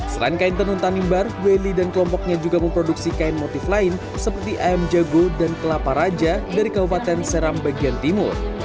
selain kain tenun tanimbar welly dan kelompoknya juga memproduksi kain motif lain seperti ayam jago dan kelapa raja dari kabupaten seram bagian timur